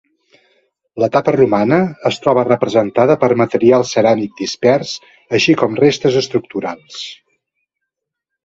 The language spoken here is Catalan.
L'etapa romana es troba representada per material ceràmic dispers així com restes estructurals.